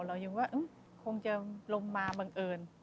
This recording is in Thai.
เรายังว่าคงจะลงมาบังเอิญ